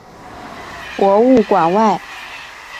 博物馆外